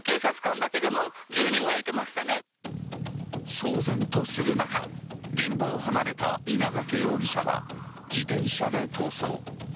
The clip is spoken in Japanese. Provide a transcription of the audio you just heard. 騒然とする中現場を離れた稲掛容疑者は自転車で逃走。